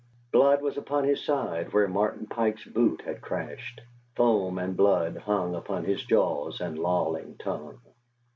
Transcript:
Blood was upon his side where Martin Pike's boot had crashed, foam and blood hung upon his jaws and lolling tongue.